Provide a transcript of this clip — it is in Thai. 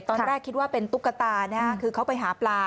ตอนแรกคิดว่าเป็นตุ๊กตานะคือเขาไปหาปลา